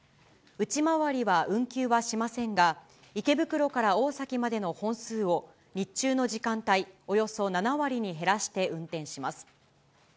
内回りは運休はしませんが、池袋から大崎までの本数を日中の時間帯、およそ７割に減らして運転します。